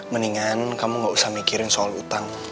mendingan kamu gak usah mikirin soal utang